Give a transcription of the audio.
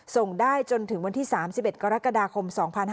ส่งได้จนถึงวันที่๓๑กรกฎาคม๒๕๕๙